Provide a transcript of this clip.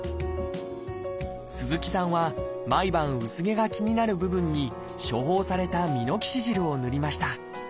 鈴木さんは毎晩薄毛が気になる部分に処方されたミノキシジルを塗りました。